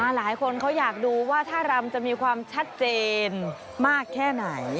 หลายคนเขาอยากดูว่าท่ารำจะมีความชัดเจนมากแค่ไหน